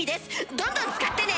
どんどん使ってね！